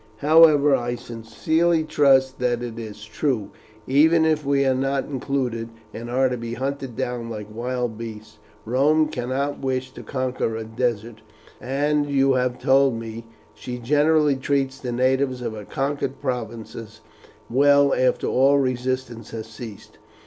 However, I sincerely trust that it is true, even if we are not included, and are to be hunted down like wild beasts. Rome cannot wish to conquer a desert, and you have told me she generally treats the natives of conquered provinces well after all resistance has ceased.